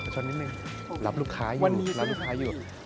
ชนนิดนึงรับลูกค้าอยู่รับลูกค้าอยู่